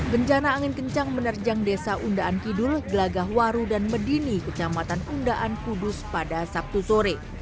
bencana angin kencang menerjang desa undaan kidul gelagahwaru dan medini kecamatan undaan kudus pada sabtu sore